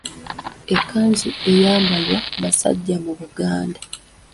Ekkanzu eyambalwa basajja mu Buganda.